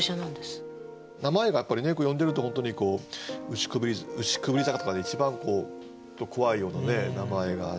名前がやっぱり読んでると本当に「牛縊坂」とか一番怖いような名前があって。